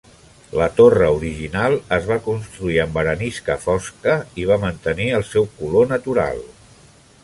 La torre original es va construir amb arenisca fosca i va mantenir el seu color natural.